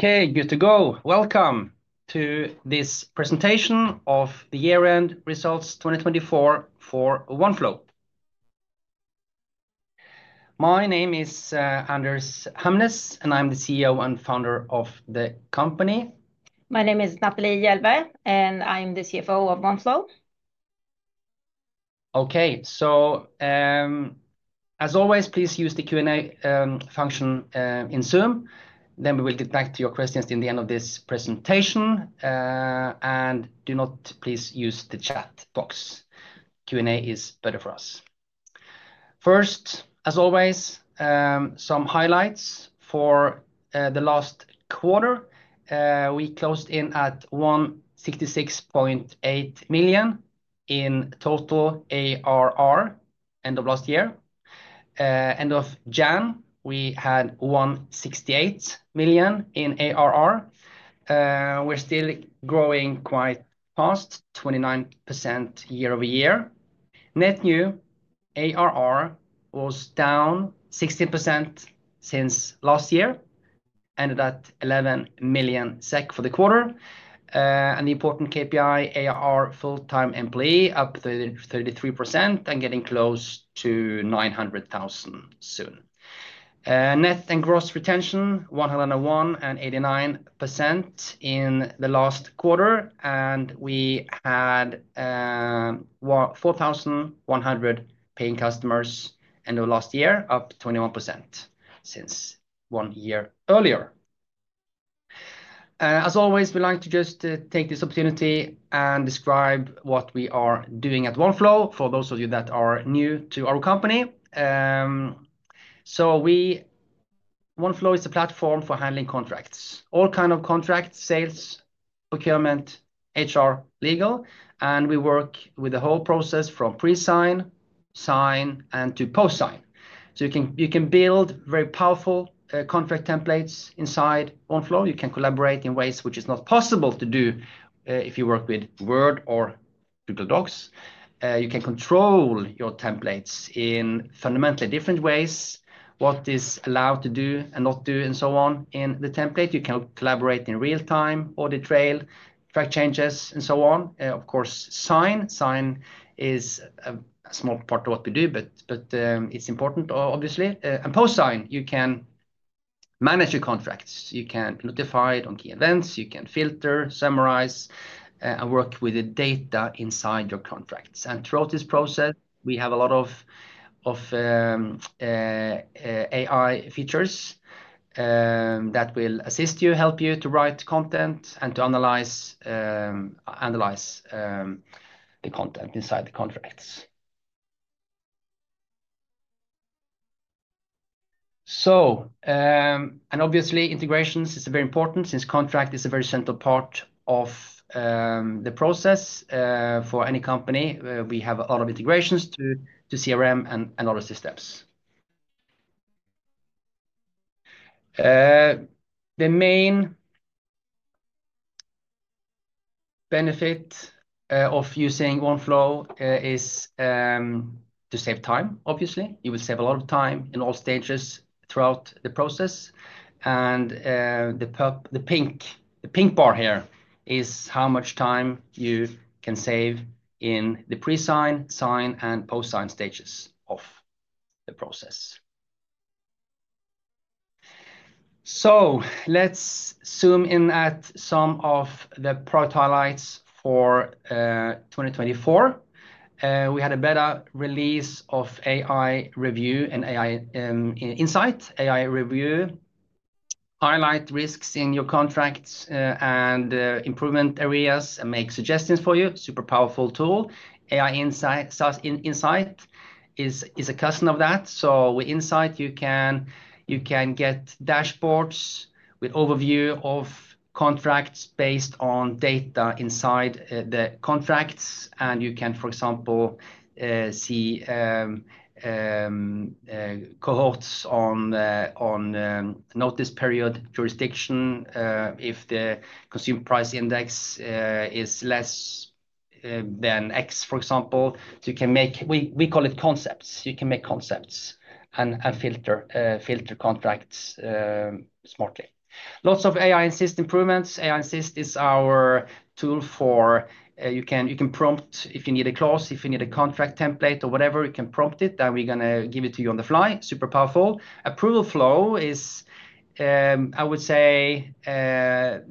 Okay, good to go. Welcome to this presentation of the year-end results 2024 for Oneflow. My name is Anders Hamnes, and I'm the CEO and founder of the company. My name is Natalie Jelveh, and I'm the CFO of Oneflow. Okay, so as always, please use the Q&A function in Zoom. We will get back to your questions in the end of this presentation. Do not please use the chat box. Q&A is better for us. First, as always, some highlights for the last quarter. We closed in at 166.8 million in total ARR end of last year. End of January, we had 168 million in ARR. We're still growing quite fast, 29% year-over-year. Net new ARR was down 16% since last year, ended at 11 million SEK for the quarter. The important KPI, ARR full-time employee up 33% and getting close to 900,000 soon. Net and gross retention, 101% and 89% in the last quarter. We had 4,100 paying customers end of last year, up 21% since one year earlier. As always, we like to just take this opportunity and describe what we are doing at Oneflow for those of you that are new to our company. Oneflow is a platform for handling contracts, all kinds of contracts, sales, procurement, HR, legal. We work with the whole process from pre-sign, sign, and to post-sign. You can build very powerful contract templates inside Oneflow. You can collaborate in ways which are not possible to do if you work with Word or Google Docs. You can control your templates in fundamentally different ways, what is allowed to do and not do and so on in the template. You can collaborate in real time, audit trail, track changes, and so on. Of course, sign, sign is a small part of what we do, but it's important, obviously. Post-sign, you can manage your contracts. You can notify it on key events. You can filter, summarize, and work with the data inside your contracts. Throughout this process, we have a lot of AI features that will assist you, help you to write content and to analyze the content inside the contracts. Obviously, integrations are very important since contract is a very central part of the process for any company. We have a lot of integrations to CRM and all of these steps. The main benefit of using Oneflow is to save time, obviously. You will save a lot of time in all stages throughout the process. The pink bar here is how much time you can save in the pre-sign, sign, and post-sign stages of the process. Let's zoom in at some of the product highlights for 2024. We had a beta release of AI Review and AI Insight. AI Review highlights risks in your contracts and improvement areas and makes suggestions for you. Super powerful tool. AI Insight is a cousin of that. With Insight, you can get dashboards with overview of contracts based on data inside the contracts. You can, for example, see cohorts on notice period, jurisdiction, if the consumer price index is less than X, for example. You can make, we call it concepts. You can make concepts and filter contracts smartly. Lots of AI Assist improvements. AI Assist is our tool for, you can prompt if you need a clause, if you need a contract template or whatever, you can prompt it. That, we're going to give it to you on the fly. Super powerful. Approval Flow is, I would say, the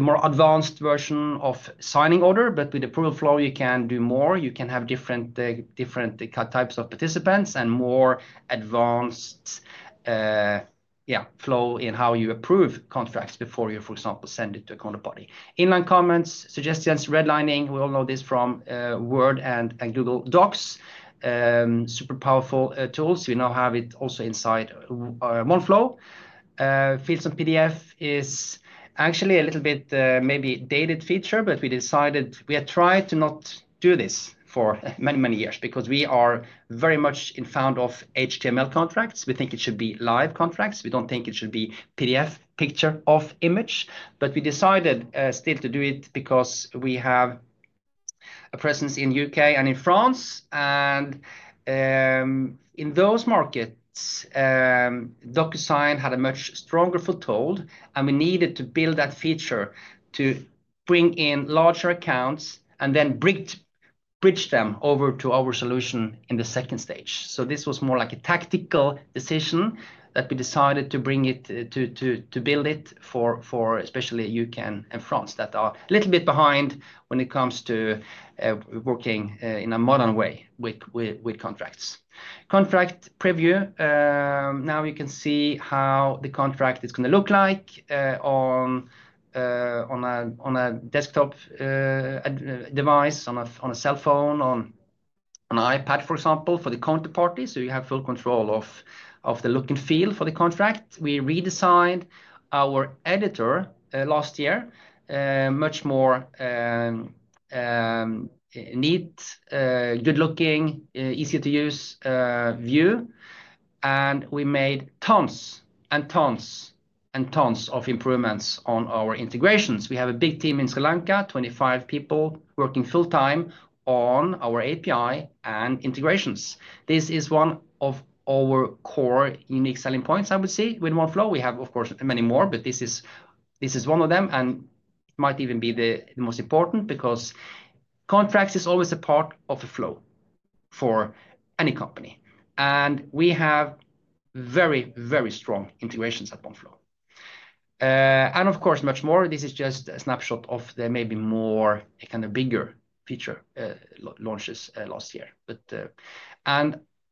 more advanced version of signing order. With Approval Flow, you can do more. You can have different types of participants and more advanced flow in how you approve contracts before you, for example, send it to a counterparty. Inline comments, suggestions, redlining. We all know this from Word and Google Docs. Super powerful tools. We now have it also inside Oneflow. Fields and PDF is actually a little bit maybe dated feature, but we decided we had tried to not do this for many, many years because we are very much in found of HTML contracts. We think it should be live contracts. We do not think it should be PDF, picture of image. We decided still to do it because we have a presence in the UK and in France. In those markets, Docusign had a much stronger foothold. We needed to build that feature to bring in larger accounts and then bridge them over to our solution in the second stage. This was more like a tactical decision that we decided to build it for especially the UK and France that are a little bit behind when it comes to working in a modern way with contracts. Contract Preview. Now you can see how the contract is going to look like on a desktop device, on a cell phone, on an iPad, for example, for the counterparty. You have full control of the look and feel for the contract. We redesigned our Editor last year, much more neat, good-looking, easy to use view. We made tons and tons and tons of improvements on our integrations. We have a big team in Sri Lanka, 25 people working full-time on our API and integrations. This is one of our core unique selling points, I would say, with Oneflow. We have, of course, many more, but this is one of them. It might even be the most important because contracts is always a part of a flow for any company. We have very, very strong integrations at Oneflow. Of course, much more. This is just a snapshot of the maybe more kind of bigger feature launches last year.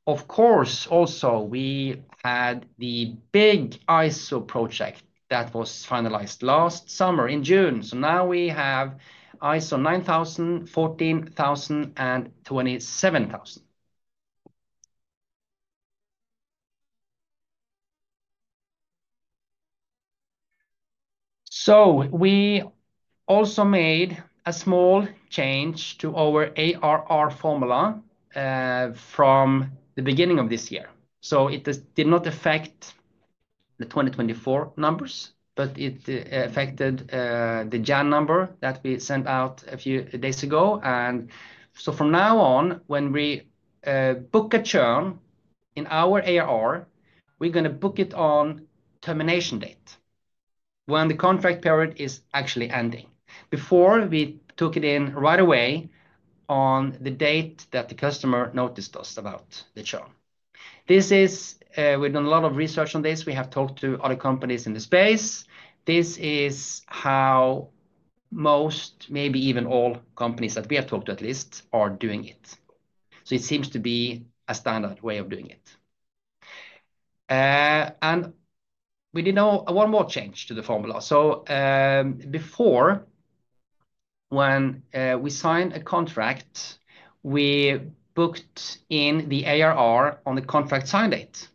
Of course, also we had the big ISO project that was finalized last summer in June. Now we have ISO 9001, 14001, and 27001. We also made a small change to our ARR formula from the beginning of this year. It did not affect the 2024 numbers, but it affected the January number that we sent out a few days ago. From now on, when we book a churn in our ARR, we are going to book it on termination date when the contract period is actually ending. Before, we took it in right away on the date that the customer noticed us about the churn. We have done a lot of research on this. We have talked to other companies in the space. This is how most, maybe even all companies that we have talked to at least, are doing it. It seems to be a standard way of doing it. We did one more change to the formula. Before, when we signed a contract, we booked in the ARR on the contract sign date.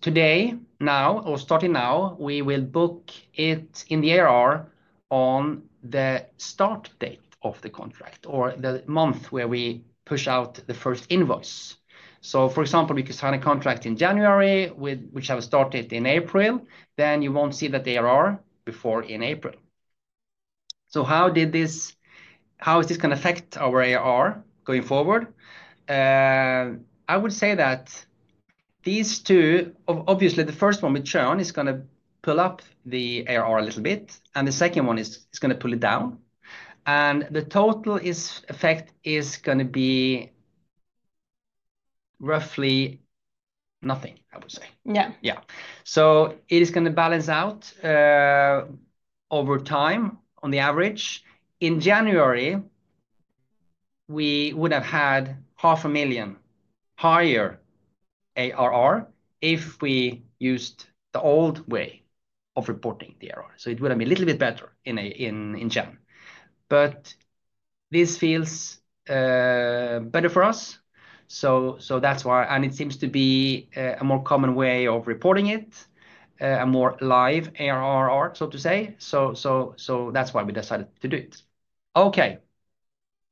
Today, now, or starting now, we will book it in the ARR on the start date of the contract or the month where we push out the first invoice. For example, we could sign a contract in January, which will start in April. You will not see that ARR before April. How is this going to affect our ARR going forward? I would say that these two, obviously, the first one with churn is going to pull up the ARR a little bit, and the second one is going to pull it down. The total effect is going to be roughly nothing, I would say. Yeah. Yeah. It is going to balance out over time on the average. In January, we would have had 500,000 higher ARR if we used the old way of reporting the ARR. It would have been a little bit better in January. This feels better for us. That is why. It seems to be a more common way of reporting it, a more live ARR rate, so to say. That is why we decided to do it. Okay.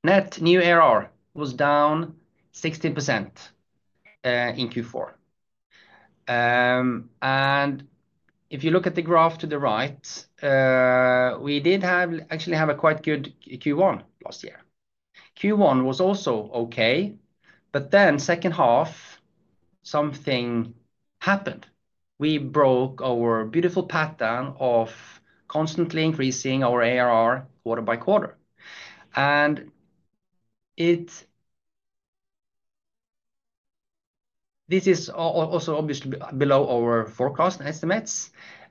Net new ARR was down 16% in Q4. If you look at the graph to the right, we did actually have a quite good Q1 last year. Q1 was also okay. Then second half, something happened. We broke our beautiful pattern of constantly increasing our ARR quarter by quarter. This is also obviously below our forecast estimates.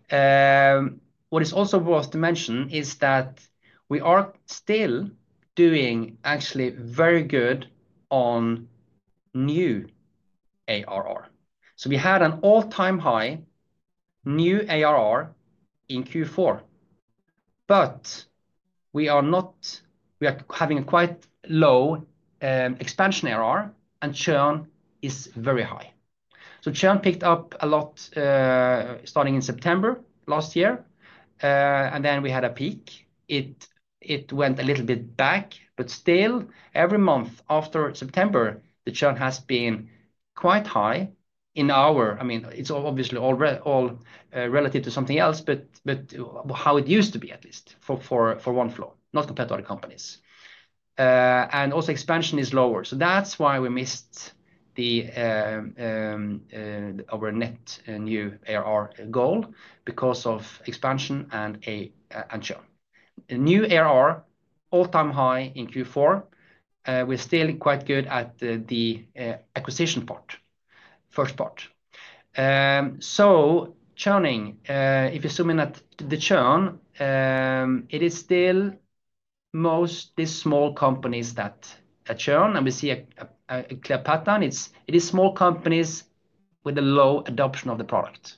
What is also worth to mention is that we are still doing actually very good on new ARR. We had an all-time high new ARR in Q4. We are not, we are having a quite low expansion ARR, and churn is very high. Churn picked up a lot starting in September last year. We had a peak. It went a little bit back, but still, every month after September, the churn has been quite high in our, I mean, it's obviously all relative to something else, but how it used to be at least for Oneflow, not compared to other companies. Also, expansion is lower. That is why we missed our net new ARR goal because of expansion and churn. New ARR, all-time high in Q4. We are still quite good at the acquisition part, first part. Churning, if you're zooming at the churn, it is still mostly small companies that churn, and we see a clear pattern. It is small companies with a low adoption of the product.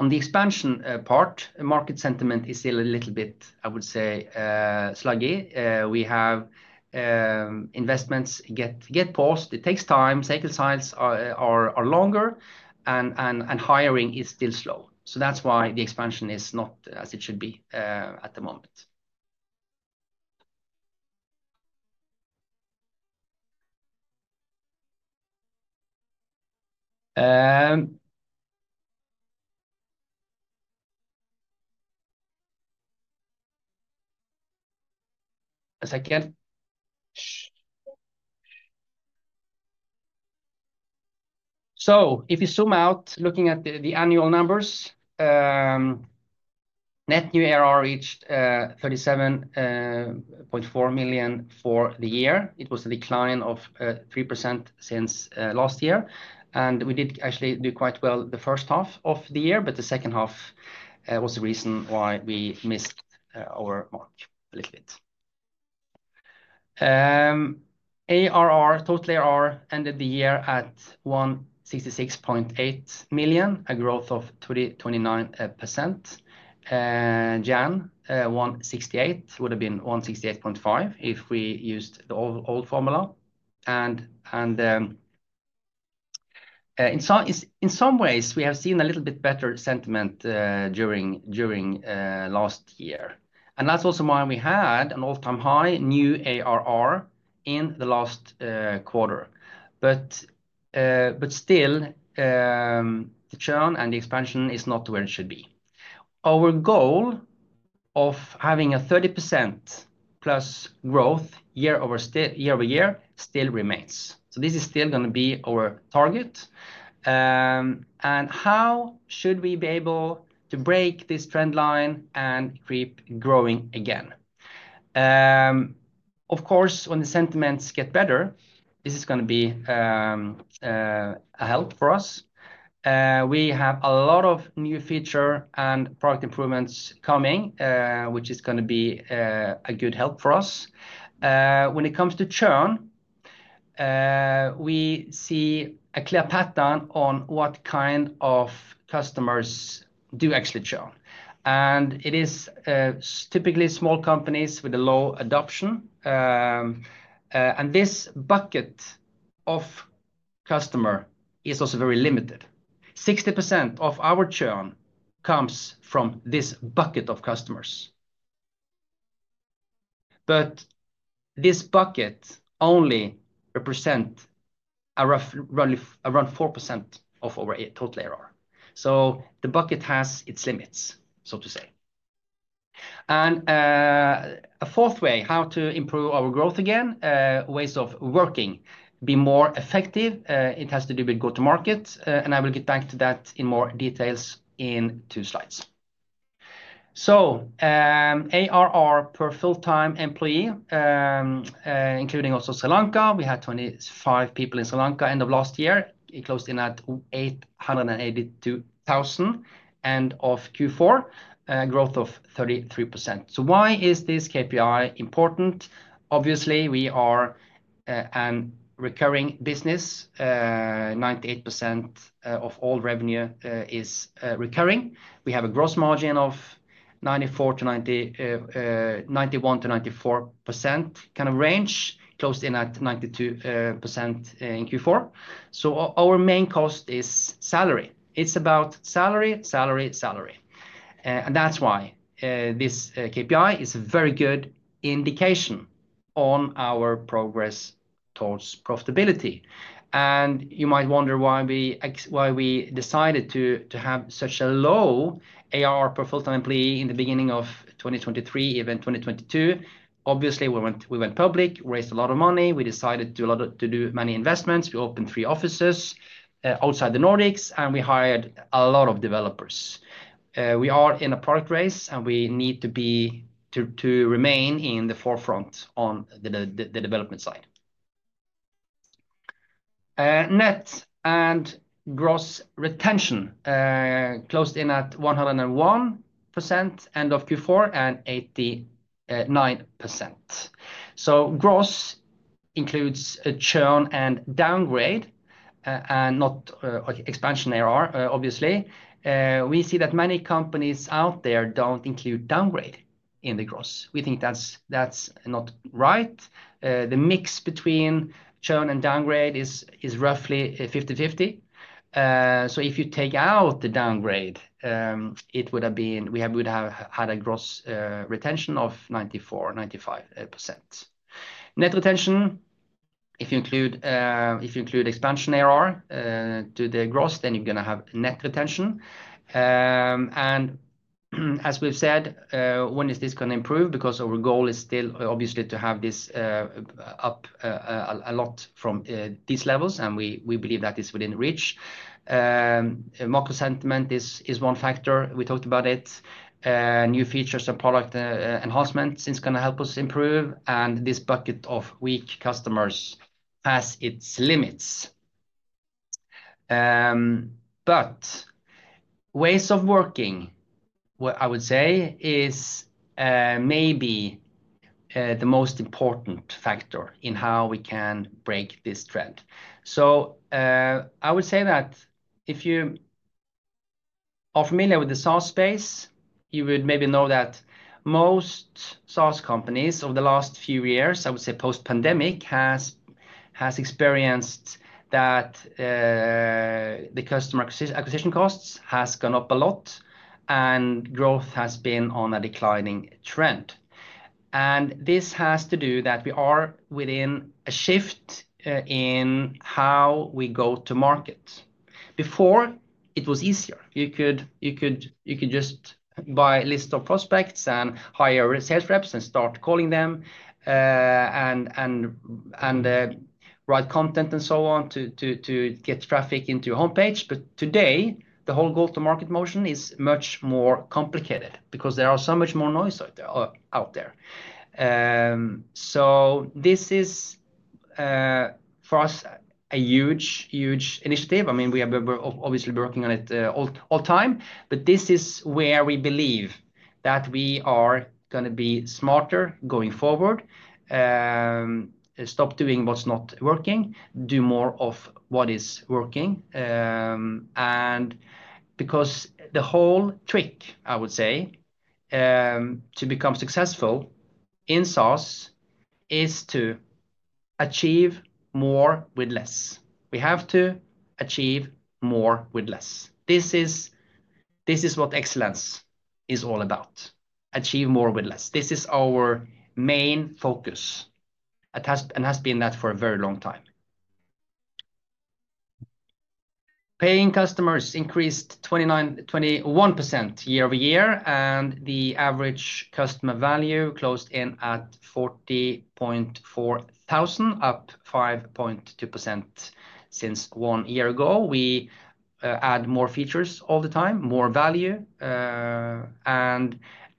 On the expansion part, market sentiment is still a little bit, I would say, sluggy. We have investments get paused. It takes time. Cycle times are longer, and hiring is still slow. That is why the expansion is not as it should be at the moment. A second. If you zoom out, looking at the annual numbers, net new ARR reached 37.4 million for the year. It was a decline of 3% since last year. We did actually do quite well the first half of the year, but the second half was the reason why we missed our mark a little bit. ARR, total ARR ended the year at 166.8 million, a growth of 29%. January would have been 168.5 million if we used the old formula. In some ways, we have seen a little bit better sentiment during last year. That is also why we had an all-time high new ARR in the last quarter. Still, the churn and the expansion is not where it should be. Our goal of having a 30%+ growth year-over-year still remains. This is still going to be our target. How should we be able to break this trend line and keep growing again? Of course, when the sentiments get better, this is going to be a help for us. We have a lot of new feature and product improvements coming, which is going to be a good help for us. When it comes to churn, we see a clear pattern on what kind of customers do actually churn. It is typically small companies with a low adoption. This bucket of customers is also very limited. 60% of our churn comes from this bucket of customers. This bucket only represents around 4% of our total ARR. The bucket has its limits, so to say. A fourth way how to improve our growth again, ways of working, be more effective, it has to do with go-to-market. I will get back to that in more details in two slides. ARR per full-time employee, including also Sri Lanka, we had 25 people in Sri Lanka end of last year. It closed in at 882,000 end of Q4, growth of 33%. Why is this KPI important? Obviously, we are a recurring business. 98% of all revenue is recurring. We have a gross margin of 91%-94% kind of range, closed in at 92% in Q4. Our main cost is salary. It is about salary, salary, salary. That is why this KPI is a very good indication on our progress towards profitability. You might wonder why we decided to have such a low ARR per full-time employee in the beginning of 2023, even 2022. Obviously, we went public, raised a lot of money. We decided to do many investments. We opened three offices outside the Nordics, and we hired a lot of developers. We are in a product race, and we need to remain in the forefront on the development side. Net and gross retention closed in at 101% end of Q4 and 89%. Gross includes churn and downgrade, and not expansion ARR, obviously. We see that many companies out there do not include downgrade in the gross. We think that is not right. The mix between churn and downgrade is roughly 50-50. If you take out the downgrade, it would have been we would have had a gross retention of 94-95%. Net retention, if you include expansion ARR to the gross, then you're going to have net retention. As we've said, when is this going to improve? Because our goal is still, obviously, to have this up a lot from these levels, and we believe that is within reach. Market sentiment is one factor. We talked about it. New features or product enhancement is going to help us improve. This bucket of weak customers has its limits. Ways of working, I would say, is maybe the most important factor in how we can break this trend. I would say that if you are familiar with the SaaS space, you would maybe know that most SaaS companies over the last few years, I would say post-pandemic, have experienced that the customer acquisition costs have gone up a lot, and growth has been on a declining trend. to do with the fact that we are within a shift in how we go to market. Before, it was easier. You could just buy a list of prospects and hire sales reps and start calling them and write content and so on to get traffic into your homepage. Today, the whole go-to-market motion is much more complicated because there is so much more noise out there. This is, for us, a huge, huge initiative. I mean, we have obviously been working on it all the time. This is where we believe that we are going to be smarter going forward, stop doing what is not working, do more of what is working. The whole trick, I would say, to become successful in SaaS is to achieve more with less. We have to achieve more with less. This is what excellence is all about. Achieve more with less. This is our main focus. It has been that for a very long time. Paying customers increased 21% year-over-year, and the average customer value closed in at 40,400, up 5.2% since one year ago. We add more features all the time, more value.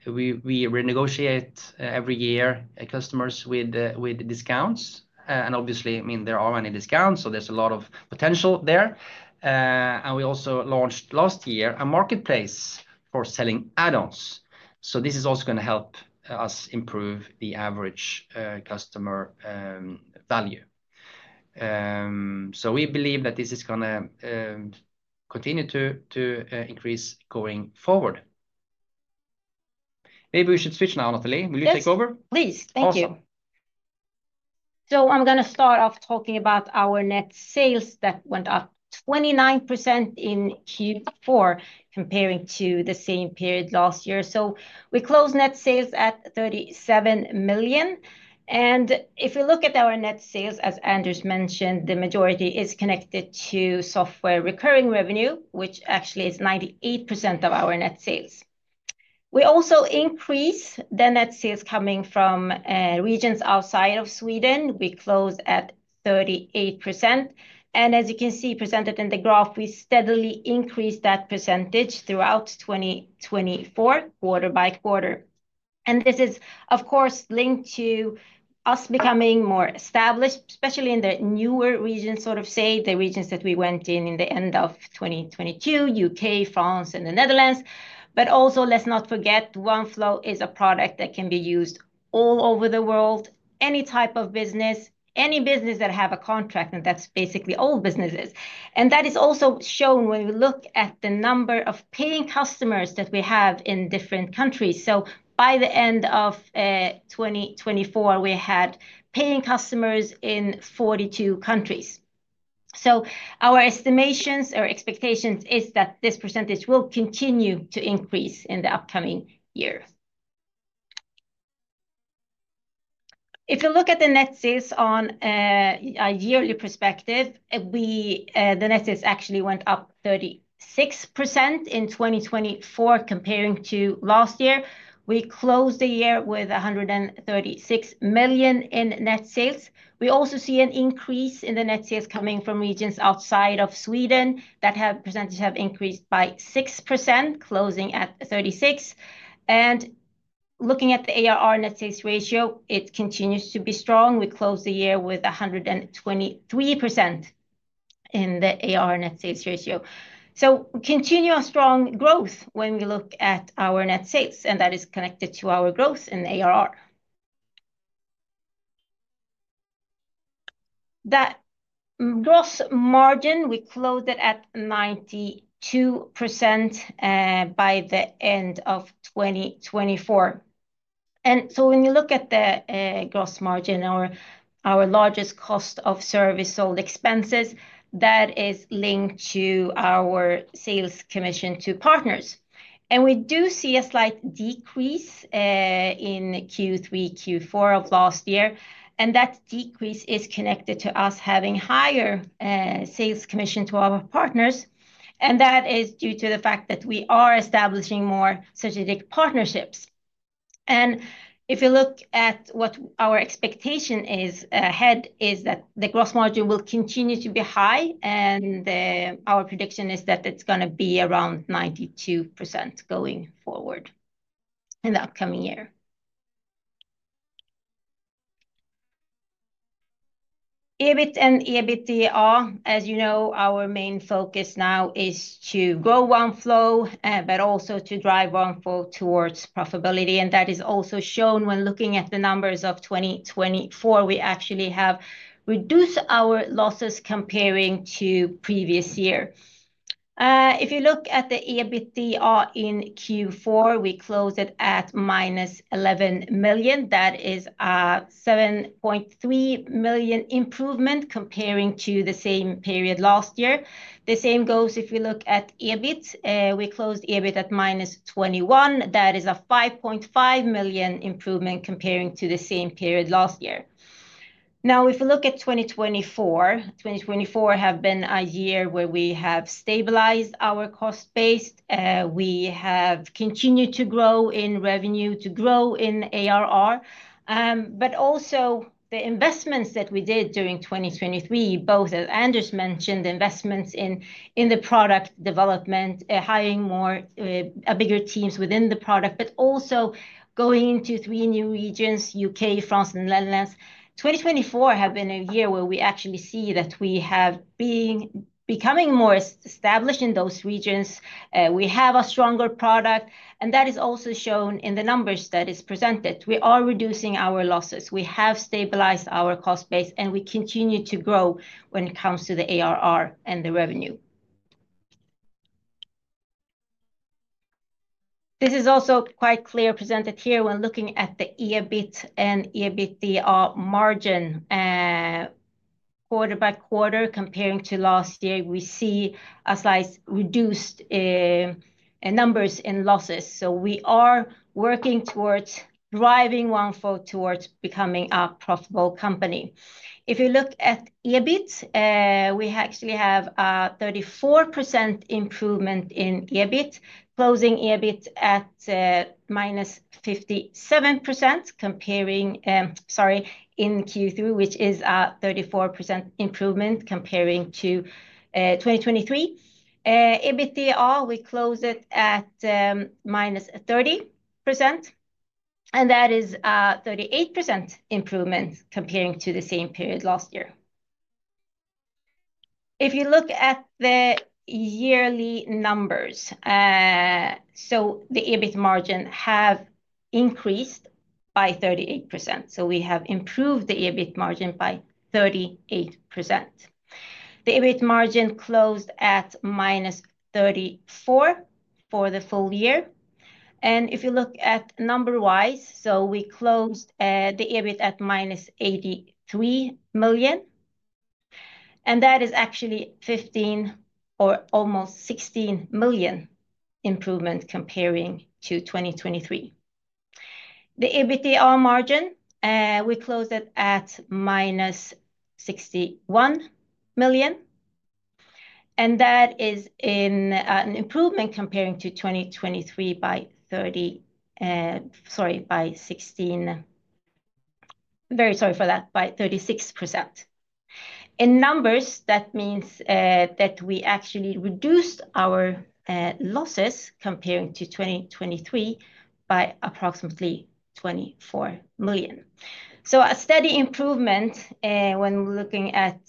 We renegotiate every year customers with discounts. Obviously, I mean, there are many discounts, so there is a lot of potential there. We also launched last year a marketplace for selling add-ons. This is also going to help us improve the average customer value. We believe that this is going to continue to increase going forward. Maybe we should switch now, Natalie. Will you take over? Yes, please. Thank you. Awesome. I am going to start off talking about our net sales that went up 29% in Q4 comparing to the same period last year. We closed net sales at 37 million. If we look at our net sales, as Anders mentioned, the majority is connected to software recurring revenue, which actually is 98% of our net sales. We also increased the net sales coming from regions outside of Sweden. We closed at 38%. As you can see presented in the graph, we steadily increased that percentage throughout 2024, quarter by quarter. This is, of course, linked to us becoming more established, especially in the newer regions, sort of say the regions that we went in in the end of 2022, UK, France, and the Netherlands. Also, let's not forget, Oneflow is a product that can be used all over the world, any type of business, any business that has a contract, and that's basically all businesses. That is also shown when we look at the number of paying customers that we have in different countries. By the end of 2024, we had paying customers in 42 countries. Our estimations or expectations is that this percentage will continue to increase in the upcoming year. If you look at the net sales on a yearly perspective, the net sales actually went up 36% in 2024 comparing to last year. We closed the year with 136 million in net sales. We also see an increase in the net sales coming from regions outside of Sweden that have percentages have increased by 6%, closing at 36%. Looking at the ARR net sales ratio, it continues to be strong. We closed the year with 123% in the ARR net sales ratio. Continual strong growth when we look at our net sales, and that is connected to our growth in the ARR. That gross margin, we closed it at 92% by the end of 2024. When you look at the gross margin, our largest cost of service sold expenses, that is linked to our sales commission to partners. We do see a slight decrease in Q3, Q4 of last year. That decrease is connected to us having higher sales commission to our partners. That is due to the fact that we are establishing more strategic partnerships. If you look at what our expectation is ahead, it is that the gross margin will continue to be high. Our prediction is that it is going to be around 92% going forward in the upcoming year. EBIT and EBITDA, as you know, our main focus now is to grow Oneflow, but also to drive Oneflow towards profitability. That is also shown when looking at the numbers of 2024. We actually have reduced our losses comparing to previous year. If you look at the EBITDA in Q4, we closed it at -11 million. That is a 7.3 million improvement comparing to the same period last year. The same goes if we look at EBIT. We closed EBIT at -21 million. That is a 5.5 million improvement comparing to the same period last year. Now, if we look at 2024, 2024 has been a year where we have stabilized our cost base. We have continued to grow in revenue, to grow in ARR. Also, the investments that we did during 2023, both as Anders mentioned, investments in the product development, hiring more bigger teams within the product, but also going into three new regions, UK, France, and the Netherlands. 2024 has been a year where we actually see that we have been becoming more established in those regions. We have a stronger product. That is also shown in the numbers that are presented. We are reducing our losses. We have stabilized our cost base, and we continue to grow when it comes to the ARR and the revenue. This is also quite clearly presented here when looking at the EBIT and EBITDA margin quarter by quarter comparing to last year. We see a slight reduced numbers in losses. We are working towards driving Oneflow towards becoming a profitable company. If you look at EBIT, we actually have a 34% improvement in EBIT, closing EBIT at minus 57% in Q3, which is a 34% improvement comparing to 2023. EBITDA, we closed it at minus 30%. That is a 38% improvement comparing to the same period last year. If you look at the yearly numbers, the EBIT margin has increased by 38%. We have improved the EBIT margin by 38%. The EBIT margin closed at minus 34% for the full year. If you look at number-wise, we closed the EBIT at -83 million. That is actually 15 or almost 16 million improvement comparing to 2023. The EBITDA margin, we closed it at -61 million. That is an improvement comparing to 2023 by 30, sorry, by 16, very sorry for that, by 36%. In numbers, that means that we actually reduced our losses comparing to 2023 by approximately 24 million. A steady improvement when we're looking at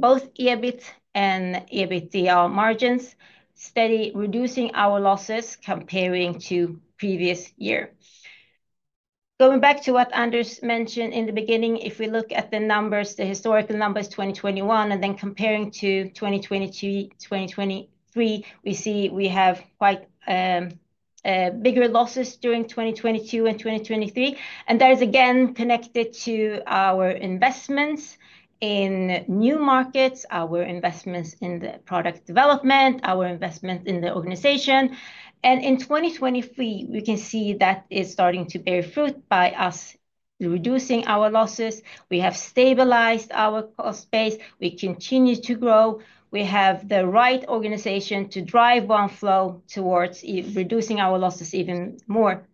both EBIT and EBITDA margins, steady reducing our losses comparing to previous year. Going back to what Anders mentioned in the beginning, if we look at the numbers, the historical numbers, 2021, and then comparing to 2022, 2023, we see we have quite bigger losses during 2022 and 2023. That is again connected to our investments in new markets, our investments in the product development, our investments in the organization. In 2023, we can see that is starting to bear fruit by us reducing our losses. We have stabilized our cost base. We continue to grow. We have the right organization to drive Oneflow towards reducing our losses even more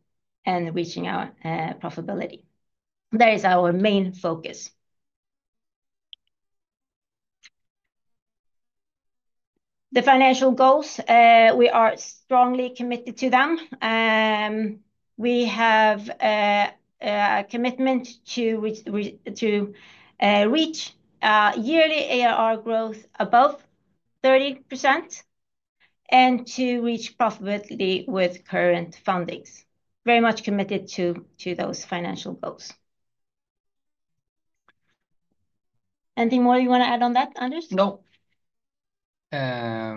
and reaching our profitability. That is our main focus. The financial goals, we are strongly committed to them. We have a commitment to reach yearly ARR growth above 30% and to reach profitability with current fundings. Very much committed to those financial goals. Anything more you want to add on that, Anders? No.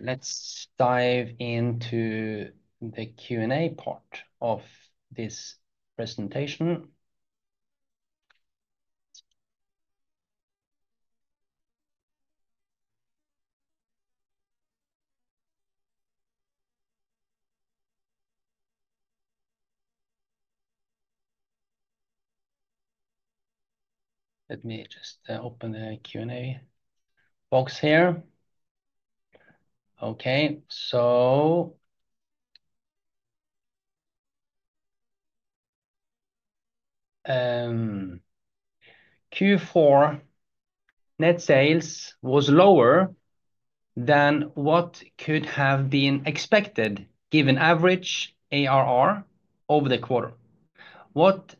Let's dive into the Q&A part of this presentation. Let me just open the Q&A box here. Okay. Q4 net sales was lower than what could have been expected given average ARR over the quarter. What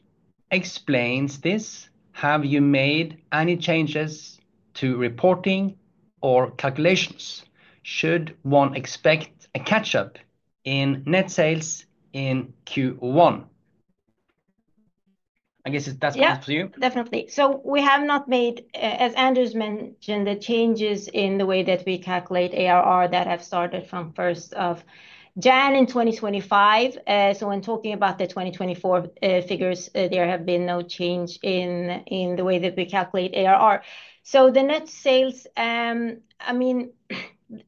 explains this? Have you made any changes to reporting or calculations? Should one expect a catch-up in net sales in Q1? I guess that's for you. Yeah, definitely. We have not made, as Anders mentioned, the changes in the way that we calculate ARR that have started from 1st of January in 2025. When talking about the 2024 figures, there have been no change in the way that we calculate ARR. I mean,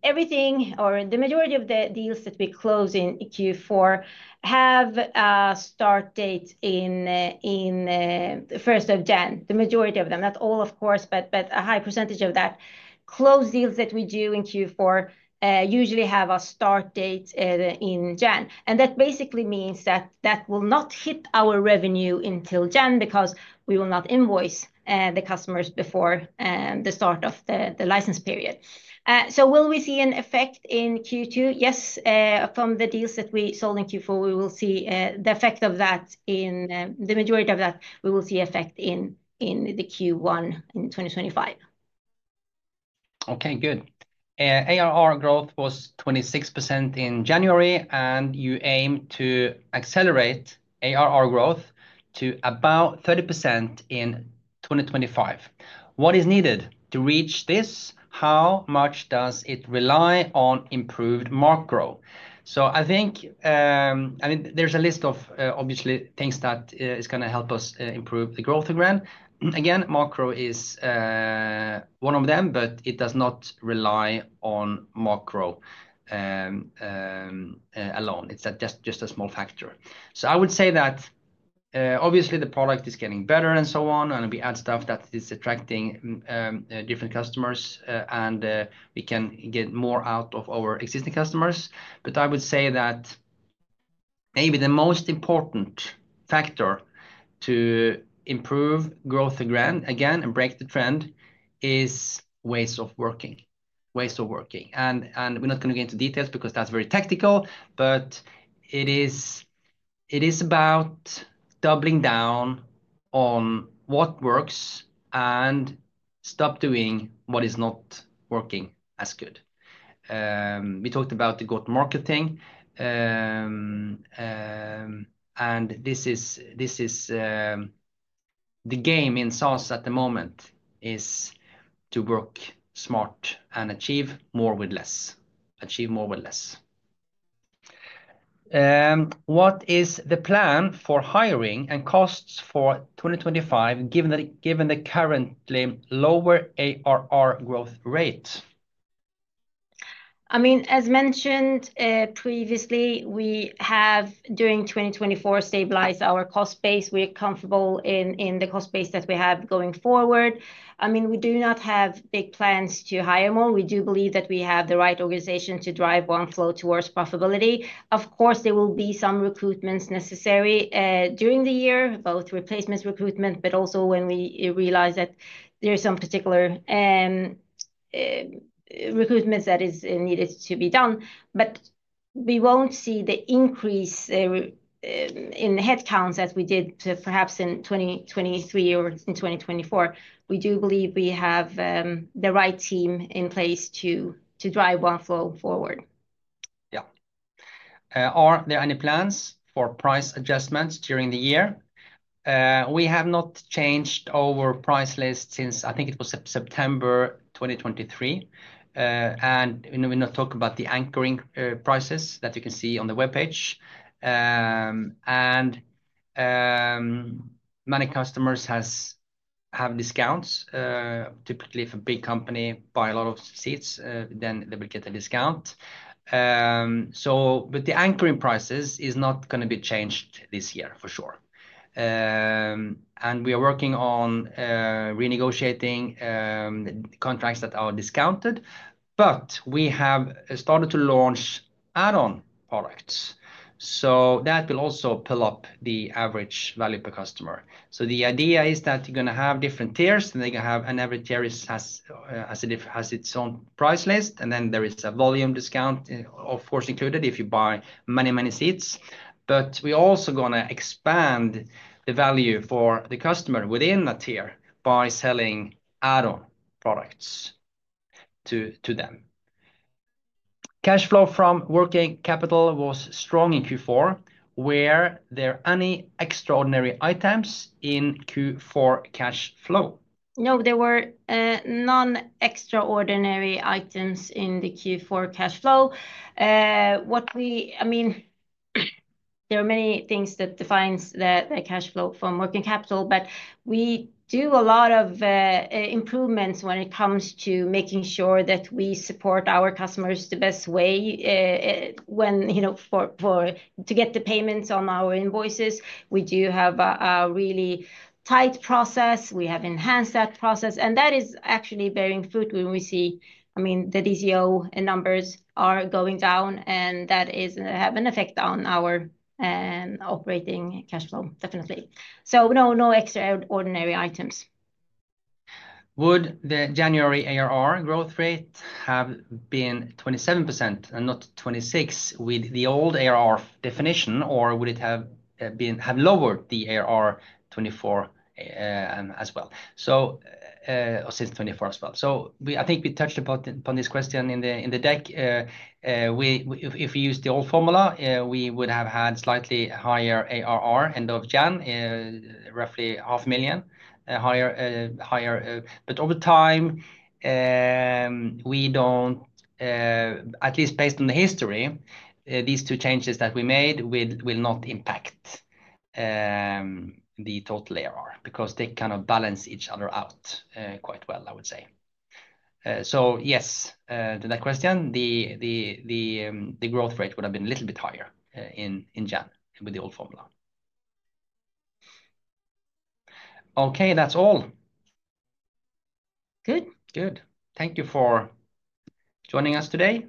everything or the majority of the deals that we close in Q4 have a start date in 1st of January. The majority of them, not all, of course, but a high percentage of that. Closed deals that we do in Q4 usually have a start date in January. That basically means that that will not hit our revenue until January because we will not invoice the customers before the start of the license period. Will we see an effect in Q2? Yes. From the deals that we sold in Q4, we will see the effect of that in the majority of that, we will see effect in Q1 in 2025. Okay, good. ARR growth was 26% in January, and you aim to accelerate ARR growth to about 30% in 2025. What is needed to reach this? How much does it rely on improved macro? I think, I mean, there's a list of obviously things that is going to help us improve the growth again. Macro is one of them, but it does not rely on macro alone. It's just a small factor. I would say that obviously the product is getting better and so on, and we add stuff that is attracting different customers, and we can get more out of our existing customers. I would say that maybe the most important factor to improve growth again and break the trend is ways of working, ways of working. We are not going to get into details because that is very tactical, but it is about doubling down on what works and stopping doing what is not working as good. We talked about the good marketing. This is the game in SaaS at the moment, to work smart and achieve more with less, achieve more with less. What is the plan for hiring and costs for 2025 given the currently lower ARR growth rate? I mean, as mentioned previously, we have during 2024 stabilized our cost base. We are comfortable in the cost base that we have going forward. I mean, we do not have big plans to hire more. We do believe that we have the right organization to drive Oneflow towards profitability. Of course, there will be some recruitments necessary during the year, both replacements recruitment, but also when we realize that there are some particular recruitments that are needed to be done. We will not see the increase in headcounts as we did perhaps in 2023 or in 2024. We do believe we have the right team in place to drive Oneflow forward. Yeah. Are there any plans for price adjustments during the year? We have not changed our price list since I think it was September 2023. We are not talking about the anchoring prices that you can see on the webpage. Many customers have discounts. Typically, if a big company buys a lot of seats, then they will get a discount. The anchoring prices are not going to be changed this year for sure. We are working on renegotiating contracts that are discounted. We have started to launch add-on products. That will also pull up the average value per customer. The idea is that you're going to have different tiers, and they're going to have an average tier that has its own price list. There is a volume discount, of course, included if you buy many, many seats. We are also going to expand the value for the customer within that tier by selling add-on products to them. Cash flow from working capital was strong in Q4. Were there any extraordinary items in Q4 cash flow? No, there were non-extraordinary items in the Q4 cash flow. I mean, there are many things that define the cash flow from working capital, but we do a lot of improvements when it comes to making sure that we support our customers the best way to get the payments on our invoices. We do have a really tight process. We have enhanced that process. That is actually bearing fruit when we see, I mean, the DCO numbers are going down, and that is having an effect on our operating cash flow, definitely. No extraordinary items. Would the January ARR growth rate have been 27% and not 26% with the old ARR definition, or would it have lowered the ARR 2024 as well? Or since 2024 as well? I think we touched upon this question in the deck. If we used the old formula, we would have had slightly higher ARR end of January, roughly 500,000 higher. Over time, we do not, at least based on the history, these two changes that we made will not impact the total ARR because they kind of balance each other out quite well, I would say. Yes, to that question, the growth rate would have been a little bit higher in January with the old formula. Okay, that's all. Good. Good. Thank you for joining us today.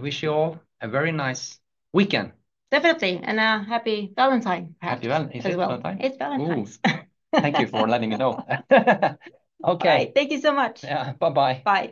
Wish you all a very nice weekend. Definitely. And a happy Valentine's Day as well. Happy Valentine's Day. It's Valentine's. Thank you for letting me know. Okay. All right. Thank you so much. Yeah. Bye-bye. Bye.